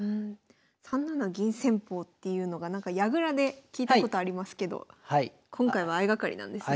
３七銀戦法っていうのがなんか矢倉で聞いたことありますけど今回は相掛かりなんですね。